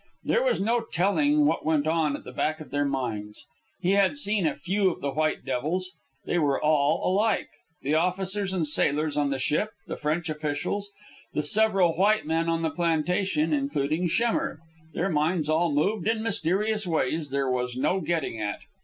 There was no telling what went on at the back of their minds. He had seen a few of the white devils. They were all alike the officers and sailors on the ship, the French officials, the several white men on the plantation, including Schemmer. Their minds all moved in mysterious ways there was no getting at.